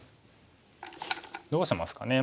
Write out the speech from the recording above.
どうしますかね。